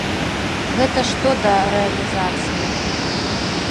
Гэта што да рэалізацыі.